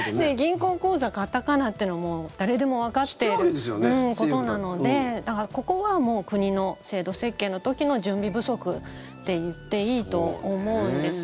銀行口座片仮名というのはもう誰でもわかってることなのでここは国の制度設計の時の準備不足と言っていいと思うんですよ。